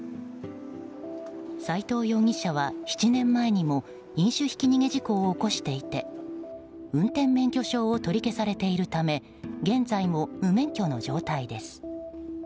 斎藤容疑者は７年前にも飲酒ひき逃げ事件を起こしていて運転免許証を取り消されているため現在も無免許の状態です。